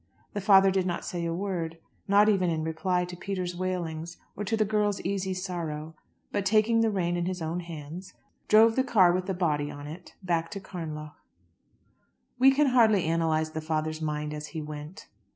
The father did not say a word, not even in reply to Peter's wailings or to the girls' easy sorrow; but, taking the rein in his own hands, drove the car with the body on it back to Carnlough. We can hardly analyse the father's mind as he went.